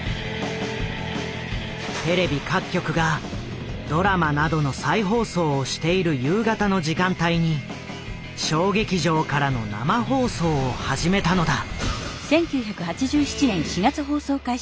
テレビ各局がドラマなどの再放送をしている夕方の時間帯に小劇場からの生放送を始めたのだ。